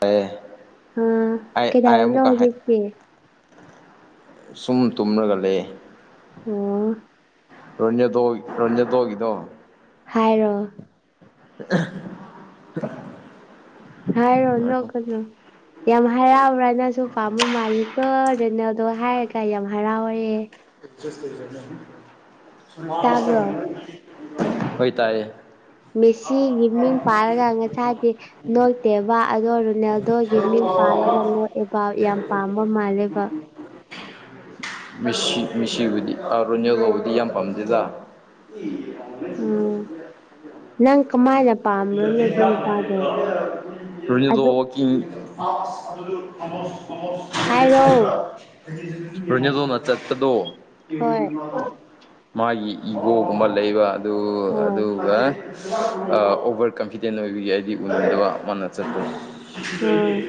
ꯇ꯭ꯂꯦ ꯑꯥ ꯀꯗꯥꯔ ꯅ ꯍꯧꯖꯤ ꯁꯨꯝ ꯇꯨꯝꯂꯒ ꯂꯩ ꯑꯣ ꯔ ꯇꯣ ꯔꯖ ꯇꯣꯒꯤꯗꯣ ꯍꯥꯏꯔꯣ ꯑ ꯍꯥꯏꯔꯣ ꯅ ꯀꯩꯅꯣ ꯌꯥꯝ ꯍꯔꯥꯎꯕ꯭ꯔꯥ ꯅꯪꯁꯨ ꯄꯥꯝꯕ ꯃꯥꯂꯤꯛꯀꯣ ꯔꯦꯅꯦꯜꯗꯣ ꯍꯥꯏꯔꯒ ꯌꯥꯝ ꯍꯔꯥꯎꯋꯦ ꯇꯥꯕ꯭ꯔꯣ ꯑꯣꯏꯇꯥ ꯃꯦꯁꯤꯒꯤ ꯃꯤꯡ ꯄꯥꯔꯒ ꯉꯁꯥꯏꯗꯤ ꯅꯣꯛꯇꯦꯕ ꯑꯗꯣ ꯔꯣꯅꯥꯜꯗꯣ ꯒꯤ ꯃꯤꯡ ꯄꯥꯔꯒꯅꯣ ꯑꯦꯕ ꯌꯥꯝ ꯄꯥꯝꯕ ꯃꯥꯜꯂꯦꯕ ꯃꯁꯤ ꯃꯤꯁꯤꯡꯕꯨꯗꯤ ꯔꯣꯅꯦꯜꯗꯣꯕꯨꯗꯤ ꯌꯥꯝ ꯄꯥꯝꯗꯦꯗ ꯎꯝ ꯅꯪ ꯀꯃꯥꯏ ꯅꯥ [inaudible] [unintelligible] ꯎꯝ ꯑꯗꯨ [unintelligible] [inaudible] ꯍꯥꯏꯔꯣ ꯔꯣꯅꯦꯜꯗꯣꯅ ꯆꯠꯇꯗꯣ ꯍꯣꯏ ꯃꯥꯒꯤ ꯏꯒꯣꯒꯨꯝꯕ ꯂꯩꯕ ꯑꯗꯨ ꯑꯥ ꯑꯗꯨꯒ ꯑꯣꯕꯔ ꯀꯟꯐꯤꯗꯦꯟ ꯑꯣꯏꯕꯒꯤ ꯍꯥꯏꯗꯤ ꯎꯅꯤꯡꯗꯕ ꯃꯥꯅ ꯆꯠꯄ ꯑꯥ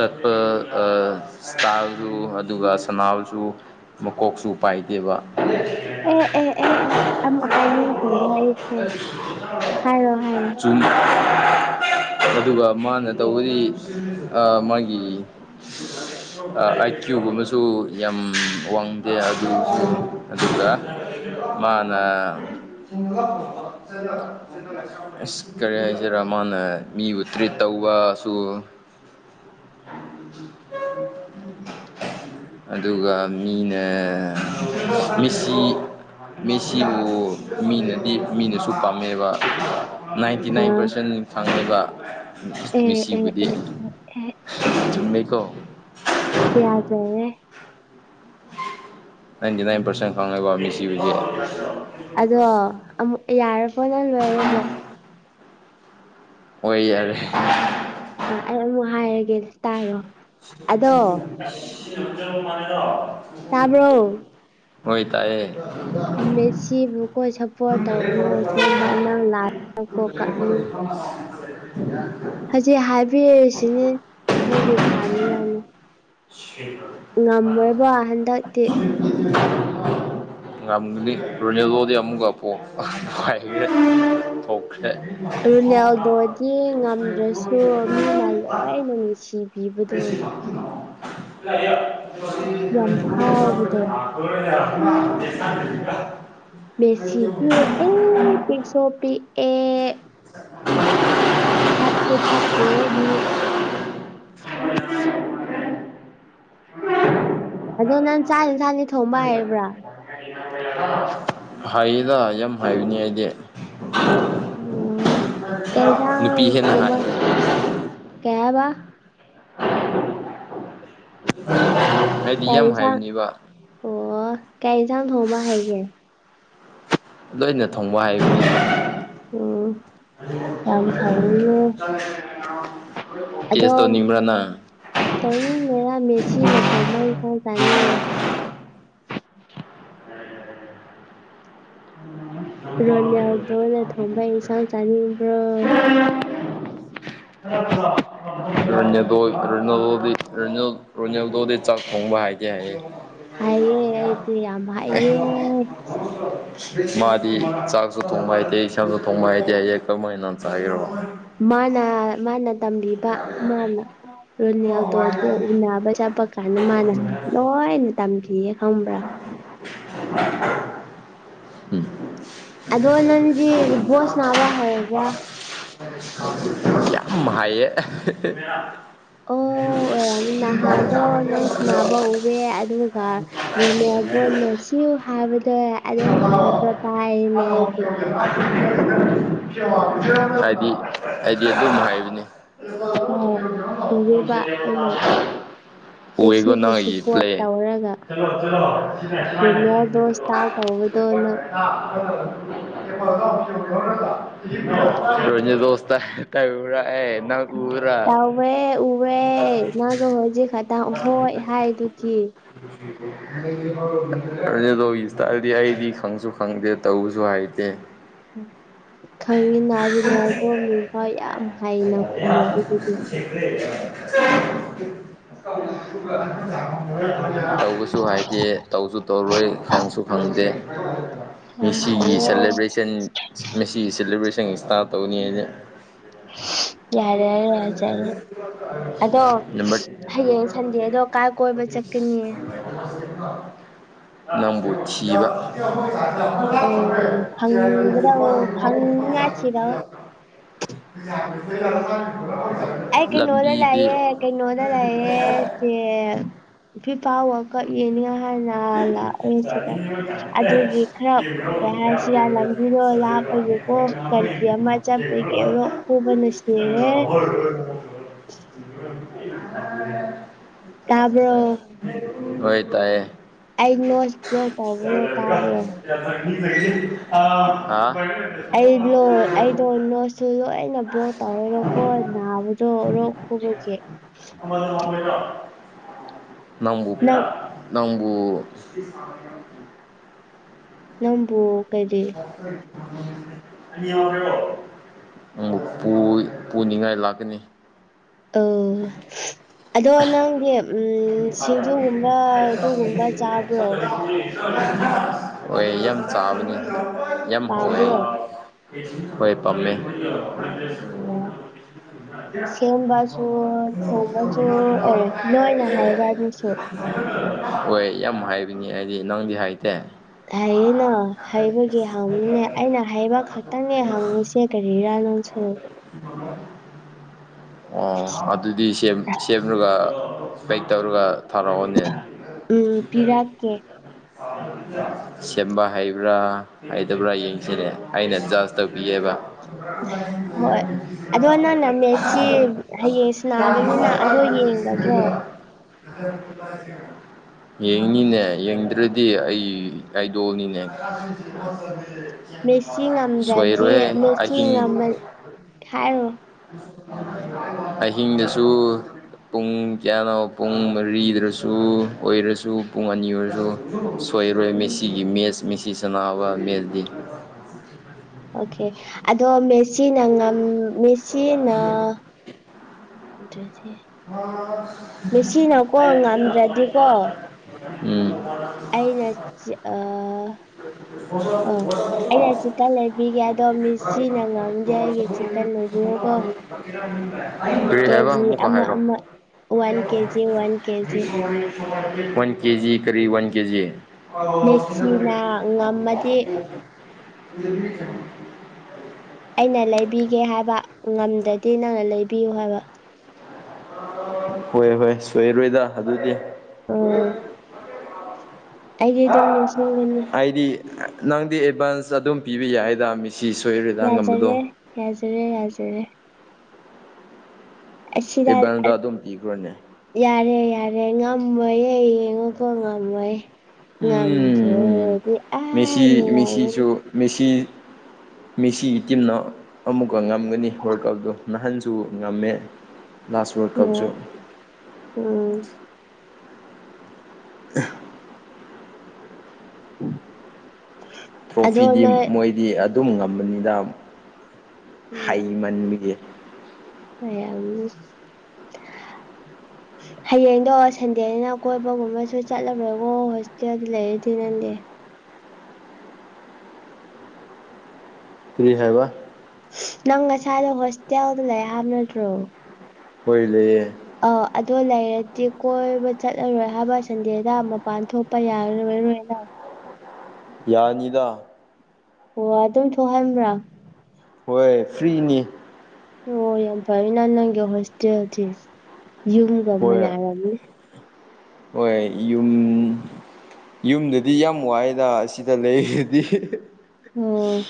ꯆꯠꯄ ꯑꯥ ꯇꯥꯥꯕꯁꯨ ꯑꯗꯨꯒ ꯁꯅꯥꯕꯁꯨ ꯃꯀꯣꯛꯁꯨ ꯄꯥꯏꯗꯦꯕ ꯑꯦ ꯑꯦ ꯑꯦ ꯑꯦ ꯑꯃꯨꯛ ꯍꯥꯏꯅꯤꯡꯈ꯭ꯔꯦꯗ ꯑꯩꯁꯦ ꯍꯥꯏꯔꯣ ꯍꯥꯏꯔꯣ [unintelligible] ꯑꯗꯨꯒ ꯃꯥꯅ ꯇꯧꯕꯗꯤ ꯑ ꯃꯥꯒꯤ [inaudible] ꯑꯥꯏ ꯀ꯭ꯌꯨꯒꯨꯝꯕꯁꯨ ꯌꯥꯝ ꯋꯥꯡꯗꯦ ꯑꯗꯨꯁꯨ ꯑꯗꯨꯒ ꯃꯥꯥꯟꯅ ꯀꯔꯤ ꯍꯥꯏꯁꯤꯔ ꯃꯥꯅ ꯃꯤꯕꯨ ꯇ꯭ꯔꯤꯠ ꯇꯧꯕꯁꯨ [inaudible] [inaudible] ꯑꯗꯨꯒ ꯃꯤꯅ ꯃꯤꯁꯤ ꯃꯤꯁꯤꯕꯨ ꯃꯤꯅꯗꯤ ꯃꯤꯅꯁꯨ ꯄꯥꯝꯃꯦꯕ ꯅꯥꯏꯟꯇꯤ ꯅꯥꯏꯟ ꯑꯥ ꯄꯥꯔꯁꯦꯟ ꯐꯪꯉꯒ ꯑꯦ ꯑꯦ ꯃꯤꯁꯤꯕꯨꯗꯤ ꯑꯦ ꯑꯦ ꯆꯨꯝꯃꯦꯀꯣ ꯄꯤꯌꯥꯖꯌꯦ ꯅꯥꯏꯟꯇꯤ ꯅꯥꯏꯟ ꯄꯥꯔꯁꯦꯟ ꯈꯪꯉꯦꯀꯣ ꯃꯤꯁꯤꯕꯨꯗꯤ ꯑꯗꯣ ꯑꯃꯨꯛ ꯌꯥꯔꯕꯣ ꯅꯪ ꯂꯣꯏꯔꯕꯣ ꯍꯣꯏ ꯌꯥꯔꯦ ꯑꯥ ꯑꯩ ꯑꯃꯨꯛ ꯍꯥꯏꯔꯒꯦ ꯇꯥꯔꯣ ꯑꯗꯣ [unintelligible] ꯇꯥꯕ꯭ꯔꯣ ꯍꯣꯏ ꯇꯥꯌꯦ ꯃꯦꯁꯤꯕꯨ ꯀꯣꯏ ꯁꯞꯄꯣꯔꯠ ꯇꯧꯕꯤꯌꯣ ꯉꯥꯡꯂꯥꯒ [unintelligible] [unintelligible] ꯍꯧꯖꯤꯛ ꯍꯥꯏꯕꯤꯔꯤꯁꯤꯅꯤ ꯅꯪꯒꯤ ꯐꯅꯤꯉꯥꯢꯅꯤ ꯉꯝꯃꯣꯢꯕ ꯍꯟꯗꯛꯇꯤ ꯉꯝꯒꯅꯤ ꯔꯣꯅꯥꯜꯗꯣꯗꯤ ꯑꯃꯨꯀ ꯄꯣ ꯊꯣꯛꯈ꯭ꯔꯦ [inaudible] ꯔꯣꯅꯥꯜꯗꯣꯗꯤ ꯅꯨꯡꯁꯤꯕꯤ [inaudible] ꯌꯥꯝ [unintelligible] ꯐꯥꯎꯕꯗꯣ [inaudible] [unintelligible] ꯃꯦꯁꯤꯗꯤ ꯑꯦ ꯄꯤꯛꯁꯣ ꯄꯤꯛꯑꯦ ꯐꯠꯁꯨ ꯐꯠꯇꯦ ꯑꯗꯨ ꯅꯪ ꯆꯥꯅꯤ ꯆꯥꯅꯤ [inaudible] ꯍꯩꯗ ꯌꯥꯝ ꯍꯩꯅꯤ ꯑꯩꯗꯤ ꯑꯣ ꯀꯩ ꯑꯦꯟꯖꯥꯡ ꯅꯨꯄꯤ ꯍꯦꯟꯅ ꯍꯥꯏ ꯊꯣꯡꯕ ꯀꯩ ꯍꯥꯌꯕꯥ [unintelligible] ꯀꯩ ꯏꯟꯁꯥꯡ ꯍꯥꯏꯕꯅꯦꯕ ꯑꯣ ꯀꯔꯤ ꯏꯟꯁꯥꯡ ꯊꯣꯡꯕ ꯍꯩꯒꯦ ꯂꯣꯏꯅ ꯊꯣꯡꯕ ꯍꯥꯏꯕꯅꯤ ꯎꯝ ꯌꯥꯝ ꯐꯩꯅꯦ [inaudible] ꯇꯦꯁ ꯇꯧꯅꯤꯡꯕꯔꯅꯪ ꯇꯧꯅꯤꯡꯉꯦꯔꯥ ꯃꯦꯁꯤꯅ ꯊꯣꯡꯕ ꯏꯟꯁꯥꯡ ꯆꯥꯅꯤꯡꯉꯦ ꯔꯣꯅꯥꯜꯗꯣꯅ ꯊꯣꯡꯕꯥ ꯏꯟꯁꯥꯡ ꯆꯥꯅꯤꯡꯕ꯭ꯔꯣ [unintelligible] ꯔꯅꯟꯗꯣ ꯔꯅꯜꯗꯣꯗꯤ ꯔꯅꯜꯗꯣꯗꯤ ꯆꯥꯛ ꯊꯣꯡꯕ ꯍꯥꯏꯇꯦ ꯍꯥꯏꯌꯦ ꯍꯥꯏꯌꯦ ꯑꯩꯗꯤ ꯌꯥꯝ ꯍꯥꯏꯌꯦ [inaudible] ꯃꯥꯗꯤ ꯆꯥꯛꯁꯨ ꯊꯣꯡꯕ ꯍꯩꯇꯦ ꯏꯁꯥꯡꯁꯨ ꯊꯣꯡꯕ ꯍꯩꯇꯦ ꯍꯥꯏ ꯑꯩ ꯀꯃꯥꯏꯅ ꯆꯥꯌꯦꯔꯣ ꯃꯥꯅ ꯃꯥꯅ ꯇꯝꯕꯤꯕ ꯃꯥꯅ ꯔꯨꯅꯦꯜꯗꯣꯕꯨ ꯎꯅꯕ ꯆꯄ ꯀꯅ ꯃꯥꯥꯟꯅ ꯂꯣꯏꯅ ꯇꯝꯈꯤꯌꯦꯦ ꯈꯪꯕ꯭ꯔꯥ [unintelligible] ꯑꯗꯣ ꯅꯪꯗꯤ ꯕꯣꯜꯁꯅꯥꯕ ꯍꯩꯕ꯭ꯔꯥ ꯌꯥꯝ ꯍꯩꯌꯦ ꯑꯣ ꯑꯣꯏꯔ ꯅꯍꯥꯗꯣ ꯅꯪ ꯁꯅꯕ ꯎꯑꯦ ꯑꯗꯨꯒ ꯔꯣꯅꯦꯜꯗꯣꯅ ꯁꯤꯌꯨ ꯍꯥꯕꯗꯣ ꯑꯗꯨꯝ ꯍꯥꯕꯗꯣ ꯇꯥꯏꯅꯦ ꯑꯩꯗꯤ ꯍꯥꯏꯗꯤ ꯍꯥꯏꯗꯤ ꯑꯗꯨꯝ ꯍꯥꯏꯕꯅꯤ ꯍꯣꯏ ꯎꯋꯦꯕ ꯑꯩꯅ [inaudible] ꯎꯋꯦꯒꯣꯅ ꯃꯦꯁꯤꯕꯨ [unintelligible] ꯁꯞꯄꯣꯔꯠ ꯇꯧꯔꯒ ꯇꯥꯎ [unintelligible] [inaudible] [unintelligible] ꯎꯕ꯭ꯔꯥ ꯇꯧꯋꯦ ꯎꯋꯦ ꯅꯪꯁꯨ ꯍꯣꯏꯖꯤꯛ ꯈꯇꯪ ꯍꯣꯏ ꯍꯥꯏꯗꯨꯗꯤ [unintelligible] ꯗꯤ ꯑꯩꯗꯤ ꯈꯪꯁꯨ ꯈꯪꯗꯦ ꯇꯧꯁꯨ ꯍꯥꯏꯇꯦ ꯈꯪꯉꯤꯅ ꯔꯨꯅꯥꯜꯗꯣ ꯃꯤꯡꯐꯥꯎ ꯌꯥꯝ ꯍꯩꯅ ꯈꯨꯝꯂꯛꯏ ꯑꯗꯨꯗꯤ [inaudible] ꯇꯧꯕꯁꯨ ꯍꯥꯏꯗꯦ ꯇꯧꯁꯨ ꯇꯧꯔꯣꯏ ꯈꯪꯁꯨ ꯈꯪꯗꯦ ꯌꯥꯝ ꯃꯦꯁꯤꯒꯤ ꯍꯩꯌꯦ ꯁꯦꯂꯦꯕ꯭ꯔꯦꯁꯟ ꯃꯦꯁꯤꯒꯤ ꯁꯦꯂꯦꯕ꯭ꯔꯦꯁꯟ ꯏꯁꯇꯥꯏꯜ ꯇꯧꯅꯤ ꯑꯩꯗꯤ ꯌꯥꯔꯦ ꯌꯥꯖꯔꯦ ꯑꯗꯣ ꯅꯝꯕꯔ ꯍꯌꯦꯡ ꯁꯟꯗꯦꯗꯣ ꯀꯥꯏ ꯀꯣꯏꯕ ꯆꯀꯤꯅꯤꯌꯦ ꯅꯪꯕꯨ ꯊꯤꯕ ꯎꯝ ꯐꯪꯒꯗꯧ ꯐꯪꯅꯤꯉꯥꯏ ꯊꯤꯔꯣ [inaudible] [inaudible] ꯑꯩ ꯀꯩ ꯅꯣꯗꯥ ꯂꯝꯕꯤꯗꯤ ꯂꯩꯌꯦ ꯀꯩ ꯅꯣꯗꯥ ꯂꯩꯌꯦ [unintelligible] ꯐꯤꯐꯥ ꯋꯥꯔꯜ ꯀꯞ ꯌꯦꯅꯤꯉꯥꯏ ꯍꯥꯏꯅ ꯑ ꯂꯥꯛꯑꯦ ꯁꯤꯗ ꯑꯗꯨꯒꯤ ꯈꯔ ꯀꯩ ꯍꯥꯏꯁꯤꯔ ꯂꯝꯕꯤꯗꯣ ꯂꯥꯞꯄꯒꯤ ꯑꯣ ꯀꯟꯇ꯭ꯔꯤ ꯑꯃ ꯆꯠꯄꯒꯦ ꯔꯣꯛ ꯈꯨꯕꯅ ꯁꯤꯔꯦ ꯇꯥꯕ꯭ꯔꯣ [unintelligible] ꯇꯥꯏꯌꯦ ꯑꯩ ꯅꯣꯁ [unintelligible] ꯇꯧꯕꯗꯣ ꯇꯥꯕꯔꯣ ꯑ [inaudible] ꯑꯩꯕꯂꯣ ꯑꯩꯗꯣ ꯅꯣꯠꯁꯨ ꯂꯣꯏꯅ ꯕ꯭ꯂꯣꯛ ꯇꯧꯋꯦꯕꯀꯣ ꯅꯥꯕꯗꯣ ꯔꯣꯛ [unintelligible] ꯅꯪꯕꯨ ꯅꯪ ꯅꯪꯕꯨ [inaudible] ꯅꯕꯨ ꯀꯩꯗ ꯎꯄꯨ ꯄꯨꯅꯤꯡꯉꯥꯏ ꯂꯥꯛꯀꯅꯤ ꯑꯣ ꯑꯗꯣ ꯂꯥꯛꯀꯅꯤ ꯅꯪꯗꯤ ꯎ ꯁꯤꯡꯖꯨꯒꯨꯝꯕ ꯑꯗꯨꯒꯨꯝꯕ ꯆꯥꯕ꯭ꯔꯣ ꯑꯣꯏ ꯌꯥꯝ ꯆꯥꯕꯅꯤ ꯌꯝ ꯍꯣꯏꯑ ꯄꯥꯝꯕ꯭ꯔꯣ ꯍꯣꯏ ꯄꯥꯝꯃꯦ ꯎꯝ ꯁꯦꯝꯕꯁꯨ ꯊꯣꯡꯕꯁꯨ ꯑꯦ ꯂꯣꯏꯅ ꯍꯥꯏꯕ ꯑꯗꯨꯁꯨ ꯍꯣꯏ ꯌꯥꯝ ꯍꯥꯏꯔꯤꯉ ꯍꯥꯏꯗꯤ ꯅꯪꯗꯤ ꯍꯥꯏꯇꯦ ꯍꯌꯦꯅꯣ ꯍꯩꯕꯒꯤ ꯍꯪꯉꯨꯅꯦ ꯑꯩꯅ ꯍꯩꯕ ꯈꯛꯇꯪꯅꯦ ꯍꯪꯉꯨꯁꯦ ꯀꯔꯤꯔꯥ ꯅꯪꯁꯨ ꯑꯣ ꯑꯗꯨꯗꯤ ꯄꯩ ꯇꯧꯔꯒ ꯊꯥꯔꯛꯑꯣꯅꯦ ꯎꯝ ꯄꯤꯔꯛꯀꯦ ꯁꯦꯝꯕ ꯍꯩꯕ꯭ꯔꯥ ꯑꯩꯗ ꯄꯨꯔꯥ ꯌꯦꯡꯁꯤꯜꯂꯑꯦ ꯑꯩꯅ ꯖꯁ ꯇꯧꯕꯤꯌꯦꯦꯕ ꯍꯣꯏ ꯑꯗꯣ ꯅꯪꯅ ꯃꯦꯠꯁꯤ ꯍꯌꯦꯡ ꯀ ꯁꯅꯥꯒꯅꯤꯅ ꯑꯗꯣ ꯌꯦꯡꯒꯗ꯭ꯔꯣ ꯑꯗꯨꯁꯤ [inaudible] ꯌꯦꯡꯅꯤꯅꯦ ꯌꯦꯡꯗ꯭ꯔꯗꯤ ꯑꯩ ꯑꯥꯏꯗꯣꯜꯅꯤꯅꯦ ꯃꯦꯁꯤ ꯁꯣꯏ ꯉꯝꯗ꯭ꯔꯗꯤ ꯔꯍꯦ ꯃꯦꯁꯤ ꯑꯩ ꯉꯝꯃ ꯍꯥꯏꯔꯣ ꯑꯍꯤꯡꯗꯁꯨ ꯄꯨꯡ ꯀꯌꯥꯅꯣ ꯄꯨꯡ ꯃꯔꯤꯗꯔꯁꯨ ꯑꯣꯏꯔꯁꯨ ꯄꯨꯡ ꯑꯅꯤ ꯑꯣꯏꯔꯁꯨ ꯁꯣꯏꯔꯣꯏ ꯎꯝ ꯃꯦꯁꯤꯒꯤ ꯃꯦꯠꯆ ꯃꯤꯁꯤ ꯆꯅꯥꯅꯕ ꯃꯦꯠꯁꯗꯤ ꯑꯣꯀꯦ ꯑꯗꯣ ꯃꯦꯆꯤꯅ ꯃꯦꯆꯅ ꯑꯗꯨꯁꯤ ꯉꯝꯗ꯭ꯔꯗꯤꯀꯣ [inaudible] ꯑꯩꯅ ꯑ ꯑꯣ ꯑꯩꯅ ꯆꯤꯛꯀꯟ ꯂꯩꯕꯤꯒꯦ ꯑꯗꯣ ꯃꯤꯁꯤꯅ ꯉꯝꯗꯦ ꯑꯩꯒꯤ ꯆꯤꯀꯟ ꯎꯣꯒ ꯐꯔꯤ ꯍꯥꯏꯕ ꯃꯨꯛ ꯑꯃ ꯑꯃ one kg one kg one kg ꯀꯔꯤ ꯋꯥꯟ ꯀꯦꯖꯤ ꯑ ꯃꯦꯁꯤꯅ ꯉꯝꯃꯗꯤ ꯁꯤ ꯑꯩꯅ ꯂꯩꯕꯤꯒꯦ ꯍꯥꯏꯕ ꯉꯝꯗꯗꯤ ꯅꯪꯅ ꯂꯩꯕꯤꯌꯨ ꯍꯥꯏꯕ ꯍꯣꯏ ꯍꯣꯏ ꯁꯣꯏꯔꯣꯏꯗ ꯑꯗꯨꯗꯤ ꯑꯥ ꯑꯩꯗꯤ ꯑꯗꯨꯝ ꯅꯤꯡꯁꯤꯡꯒꯅꯤ ꯑꯩꯗꯤ ꯅꯪꯗꯤ ꯑꯦꯗꯚꯥꯟꯁ ꯑꯗꯨꯝ ꯄꯤꯕ ꯌꯥꯏꯗ ꯃꯤ ꯁꯤ ꯁꯣꯏꯔ ꯌꯥꯖꯔꯦ ꯌꯥꯖꯔꯦ ꯌꯥꯖꯔꯦ ꯁꯤꯔꯜ ꯑꯦꯗꯚꯥꯟꯁꯇ ꯑꯗꯨꯝ ꯄꯤꯈ꯭ꯔꯣꯅꯦ ꯌꯥꯔꯦ ꯌꯥꯔꯦ ꯉꯝꯃꯣꯏꯌꯦ ꯌꯦꯡꯉꯣꯀꯣ ꯉꯝꯃꯣꯏ ꯎꯝ ꯉꯖꯦꯗꯤ ꯑꯅ ꯌꯥ ꯃꯦꯁꯤꯁꯨ ꯃꯦꯁꯤ ꯃꯦꯁꯤ ꯇꯤꯝꯅ ꯑꯃꯨꯛꯀ ꯉꯝꯒꯅꯤ ꯋꯥꯔꯜ ꯀꯞꯇꯣ ꯅꯍꯥꯟꯁꯨ ꯉꯝꯃꯦ ꯂꯥꯁ ꯋꯥꯔꯜ ꯀꯞꯁꯨ ꯎꯝ ꯎꯝ ꯑꯦ ꯑꯣꯟ ꯇ꯭ꯔꯣꯐꯤꯗꯤ ꯃꯣꯏꯗꯤ ꯑꯗꯨꯝ ꯉꯝꯕꯅꯤꯅ ꯍꯩꯃꯟꯕꯒꯤ ꯀꯩ ꯍꯥꯢꯕꯅꯨ ꯇꯦ ꯍꯌꯦꯡꯗꯣ ꯁꯟꯗꯦꯅꯦꯅ ꯀꯣꯏꯕꯒꯨꯝꯕꯁꯨ ꯆꯠꯂꯔꯣꯢꯕꯣ ꯍꯣꯁꯇꯦꯜ ꯂꯩꯔꯗꯤ ꯅꯪꯗꯤ ꯀꯔꯤ ꯍꯥꯏꯕ ꯅꯪꯒ ꯅꯁꯥꯗꯣ ꯍꯣꯁꯇꯦꯜꯗ ꯂꯩ ꯍꯥꯢꯕ ꯅꯇ꯭ꯔꯣ ꯍꯣꯢ ꯂꯩꯌꯦ ꯑꯥꯎ ꯑꯗꯣ ꯂꯩꯔꯗꯤ ꯀꯣꯏꯕ ꯆꯠꯂꯔꯣꯏ ꯍꯥꯏꯕ ꯁꯟꯗꯦꯗ ꯃꯄꯥꯟ ꯊꯣꯛꯄ ꯌꯥꯔꯔꯔꯣꯏꯅ ꯌꯥꯅꯤꯗ ꯑꯣ ꯑꯗꯨꯝ ꯊꯣꯛꯍꯟꯕ꯭ꯔꯥ ꯍꯣꯏ ꯐ꯭ꯔꯤꯅꯤ ꯑꯣ ꯌꯥꯝ ꯐꯩꯅ ꯅꯪꯒꯤ ꯍꯣꯁꯇꯦꯜꯗꯤ ꯌꯨꯝꯒ ꯍꯣꯏ ꯃꯥꯟꯅꯔꯝꯃꯤ ꯍꯣꯏ ꯌꯨꯝ ꯌꯨꯝꯗꯗꯤ ꯌꯥꯝ ꯋꯥꯏꯗ ꯁꯤꯗ ꯂꯩꯔꯗꯤ ꯎꯝ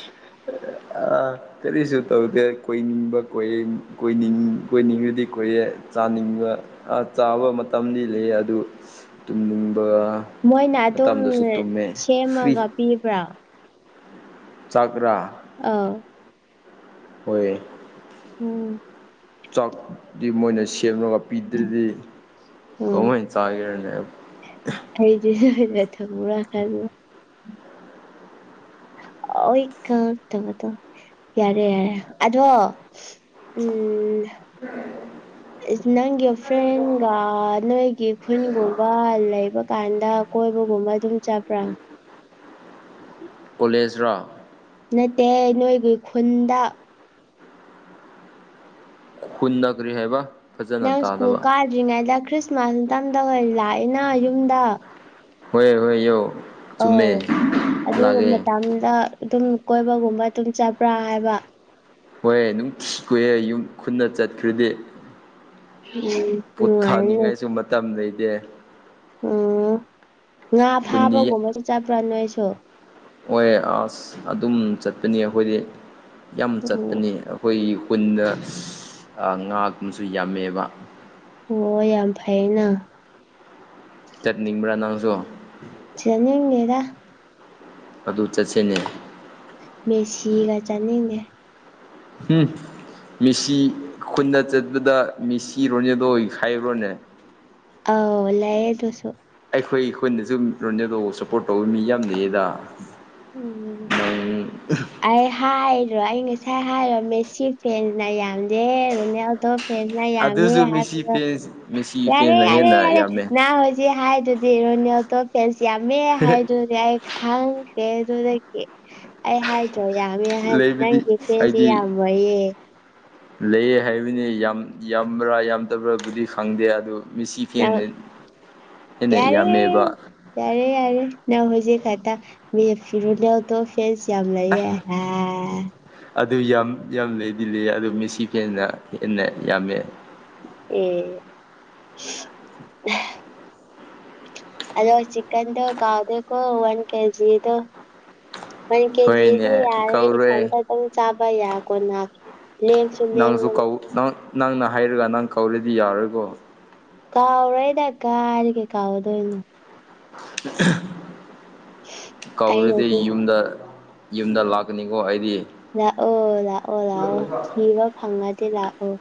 ꯑꯥ ꯀꯔꯤꯁꯨ ꯇꯧꯗꯦ ꯀꯣꯏꯅꯤꯡꯕ ꯀꯣꯏꯌꯦ ꯀꯣꯏꯅꯤꯡ ꯀꯣꯏꯅꯤꯡꯕꯗꯤ ꯀꯣꯏꯌꯦ ꯆꯥꯅꯤꯡꯕ ꯆꯥꯕ ꯃꯇꯝꯗꯤ ꯂꯩꯑꯦ ꯑꯗꯨ ꯇꯨꯝꯅꯤꯡꯕ ꯃꯣꯏꯅ ꯑꯗꯨꯝ ꯃꯇꯝꯗꯁꯨ ꯇꯨꯝꯃꯦ ꯐ꯭ꯔꯤ ꯁꯦꯝꯃꯒ ꯄꯤꯕ꯭ꯔꯥ ꯆꯥꯒ꯭ꯔꯥ ꯑ ꯍꯣꯏ ꯎꯝ ꯆꯥꯛꯇꯤ ꯃꯣꯏꯅ ꯁꯦꯝꯂꯒ ꯄꯤꯗ꯭ꯔꯥꯗꯤ ꯎꯝ ꯀꯃꯥꯢ ꯆꯥꯒꯦꯔꯅꯦ ꯑꯩꯗꯤ ꯑꯩꯅ ꯊꯪꯕ꯭ꯔꯥ ꯈꯟꯕ ꯋꯦꯛ ꯀꯞ ꯇꯧꯕꯗꯣ ꯌꯥꯔꯦ ꯑꯗꯣ ꯎꯝ [unintelligible] ꯅꯪꯒꯤ ꯐ꯭ꯔꯦꯟꯒ ꯅꯣꯏꯒꯤ ꯈꯨꯟꯒꯨꯝꯕ ꯂꯩꯕ ꯀꯥꯟꯗ ꯀꯣꯏꯕꯒꯨꯝꯕ ꯑꯗꯨꯝ ꯆꯠꯄ꯭ꯔꯥ ꯀꯣꯂꯦꯖ ꯔꯣ ꯅꯠꯇꯦ ꯅꯣꯏꯒꯤ ꯈꯨꯟꯗ ꯈꯨꯟꯗ ꯀꯔꯤ ꯍꯥꯏꯕ ꯐꯖꯅ ꯅꯪ ꯁ꯭ꯀꯨꯜ ꯇꯥꯗꯕ ꯀꯥꯗ꯭ꯔꯤꯉꯩꯗ ꯈ꯭ꯔꯤꯁꯃꯥꯁ ꯃꯇꯝꯗ ꯂꯥꯛꯏꯅ ꯌꯨꯝꯗ ꯍꯣꯏ ꯍꯣꯏ ꯌꯣ ꯑꯧ ꯑꯗꯨꯒ ꯃꯇꯝꯗ ꯑꯗꯨꯝ ꯀꯣꯏꯕꯒꯨꯝꯕ ꯑꯗꯨꯝ ꯆꯠꯄ꯭ꯔꯥ ꯍꯥꯏꯕ ꯍꯣꯏ ꯅꯨꯡ ꯀꯨꯌꯦ ꯌꯨꯝ ꯈꯨꯟꯗ ꯆꯠꯈ꯭ꯔꯗꯤ ꯎꯝ ꯅꯨꯡꯉꯥꯏꯅꯦ ꯄꯨꯠꯊꯥꯅꯤꯡꯉꯥꯏꯁꯨ ꯃꯇꯝ ꯂꯩꯇꯦ ꯎꯝ ꯉꯥ ꯈꯨꯟꯗꯤ ꯐꯥꯕꯒꯨꯝꯕꯁꯨ ꯆꯠꯄ꯭ꯔꯥ ꯅꯣꯏꯁꯨ ꯍꯣꯢ ꯑꯁ ꯑꯗꯨꯝ ꯆꯠꯄꯅꯤ ꯑꯈꯣꯏꯗꯤ ꯌꯥꯝ ꯑꯣ ꯆꯠꯄꯅꯤ ꯑꯈꯣꯏꯒꯤ ꯈꯨꯟꯗ ꯑ ꯉꯥ ꯒꯨꯝꯁꯨ ꯌꯥꯝꯃꯦꯕ ꯑꯣ ꯌꯥꯝ ꯐꯩꯅ ꯆꯠꯅꯤꯡꯕ꯭ꯔꯥ ꯅꯪꯁꯨ ꯆꯠꯅꯤꯡꯗꯦꯗ ꯑꯗꯨ ꯆꯠꯁꯦꯅꯦ ꯃꯦꯁꯤꯒ ꯆꯠꯅꯤꯡꯗꯦ ꯎꯝ ꯃꯦꯁꯤ ꯈꯨꯟꯗ ꯆꯠꯄꯗ ꯃꯦꯁꯤ ꯔꯣꯅꯥꯜꯗꯣ ꯍꯥꯢꯕ꯭ꯔꯅꯦ ꯑꯥꯎ ꯂꯩꯌꯦ ꯑꯗꯨꯁꯨ ꯑꯩꯈꯣꯏ ꯑꯩꯈꯣꯏꯅꯁꯨ ꯔꯣꯅꯥꯜꯗꯣ ꯁꯞꯄꯣꯔꯠ ꯇꯧꯕ ꯃꯤ ꯌꯥꯝ ꯂꯩꯌꯦꯗ ꯎꯝ ꯅꯪ ꯑꯩ ꯍꯥꯏꯔꯣ ꯑꯩ ꯉꯁꯥꯏ ꯍꯥꯏꯔꯣ ꯃꯦꯁꯤ ꯐꯦꯟꯅ ꯌꯥꯝꯗꯦ ꯗꯣ ꯐꯦꯟꯅ ꯌꯥꯝꯃꯦ ꯍꯥꯏꯕꯗꯣ ꯏꯁ ꯃꯦꯁꯤ ꯌꯥꯔꯦ ꯐꯦꯟꯅ ꯌꯥꯔꯦ ꯍꯦꯟꯅ ꯌꯥꯔꯦ ꯌꯥꯝꯃꯦ ꯅꯍꯥꯟ ꯍꯣꯏꯖꯤꯛ ꯍꯥꯏꯗꯨꯗꯤ ꯔꯣꯅꯥꯜꯗꯣ ꯐꯦꯟꯁ ꯌꯥꯝꯃꯦ ꯍꯥꯏꯗꯨ ꯌꯥꯔꯦ ꯈꯪꯇꯦ ꯑꯗꯨꯗꯒꯤ ꯑꯩ ꯍꯥꯏꯗ꯭ꯔꯣ ꯌꯥꯝꯃꯦ ꯍꯥꯏꯅ ꯂꯩꯕꯗꯤ ꯅꯪꯒꯤ ꯐꯦꯟꯁꯁꯤ ꯑꯩꯗꯤ ꯌꯥꯝꯃꯣꯏꯌꯦ ꯂꯩꯌꯦ ꯍꯥꯏꯕꯅꯤ ꯌꯥꯝ ꯌꯥꯝꯕ꯭ꯔꯥ ꯌꯥꯝꯗꯕ꯭ꯔꯥꯕꯨꯗꯤ ꯈꯪꯗꯦ ꯑꯗꯨ ꯃꯤꯁꯤ ꯅꯪ ꯐꯦꯟꯖꯦ ꯍꯦꯟꯅ ꯌꯥꯔꯦ ꯌꯥꯝꯃꯦꯕ ꯌꯥꯔꯦ ꯌꯥꯔꯦ ꯅꯪ ꯍꯧꯖꯤꯛ ꯈꯛꯇ ꯃꯦꯞꯐꯤ ꯔꯣꯅꯥꯜꯗꯣ ꯐꯦꯟꯁ ꯌꯥꯝ ꯂꯩꯌꯦ ꯍꯥ ꯑꯗꯨ ꯌꯥꯝ ꯌꯥꯝ ꯂꯩꯗꯤ ꯂꯩꯌꯦ ꯑꯗꯨ ꯃꯦꯁꯤ ꯐꯦꯟꯅ ꯍꯦꯟꯅ ꯌꯥꯝꯃꯦ ꯑꯦ ꯑꯗꯣ ꯆꯤꯛꯀꯟꯗꯣ ꯀꯥꯎꯗꯦꯀꯣ ꯋꯥꯟ ꯀꯦꯖꯤꯗꯣ ꯋꯥꯟ ꯀꯦꯖꯤꯗꯤ ꯍꯣꯏꯅꯦ ꯌꯥꯔꯦ ꯀꯧꯔꯣꯏ ꯏꯊꯟꯗ ꯑꯗꯨꯝ ꯆꯥꯕ ꯌꯥ ꯀꯣꯟꯅꯈ꯭ꯔꯅꯤ ꯂꯦꯝꯁꯨ ꯅꯪꯁꯨ ꯂꯦꯝꯃꯅꯤ ꯀꯧ ꯅꯪ ꯅꯪꯅ ꯍꯥꯏꯔꯒ ꯅꯪ ꯀꯧꯔꯗꯤ ꯌꯥꯔꯔꯣꯏꯀꯣ ꯀꯥꯎꯔꯣꯏꯗ ꯀꯥꯗꯤ ꯀꯩ ꯀꯥꯎꯗꯣꯏꯅꯣ ꯀꯧꯔꯗꯤ ꯑꯩꯅꯗꯤ ꯌꯨꯝꯗ ꯌꯨꯝꯗ ꯂꯥꯛꯀꯅꯤꯀꯣ ꯑꯩꯗꯤ ꯂꯥꯛꯑꯣ ꯂꯥꯛꯑꯣ ꯂꯥꯛꯑꯣ ꯊꯤꯕ ꯐꯪꯉꯗꯤ ꯂꯥꯛꯑꯣ